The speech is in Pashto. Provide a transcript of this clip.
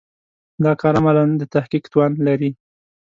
دا کار عملاً د تحقق توان لري.